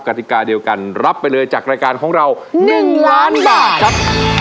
กติกาเดียวกันรับไปเลยจากรายการของเรา๑ล้านบาทครับ